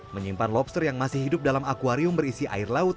menyimpan lobster yang masih hidup dalam akwarium berisi air laut